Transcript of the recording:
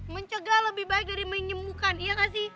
mencegah lebih baik dari menyembuhkan iya gak sih